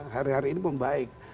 hari hari ini membaik